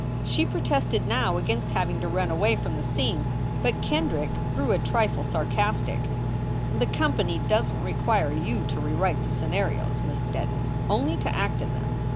She protested now against having to run away from the scene, but Kendrick grew a trifle sarcastic: "The company doesn t require you to rewrite the scenarios, Miss Steddon; only to act in them.